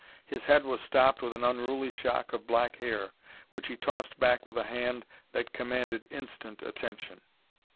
His head was topped with an unruly shock of black hair which he tossed back with a hand that commanded instant attention.